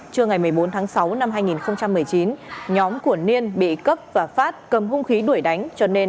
trưa ngày một mươi bốn tháng sáu năm hai nghìn một mươi chín nhóm của niên bị cấp và phát cầm hung khí đuổi đánh cho nên